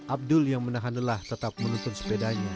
abdul yang menahan lelah tetap menuntun sepedanya